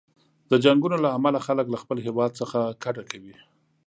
د جنګونو له امله خلک له خپل هیواد څخه کډه کوي.